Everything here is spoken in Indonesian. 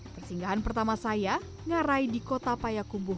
persinggahan pertama saya ngarai di kota payakumbuh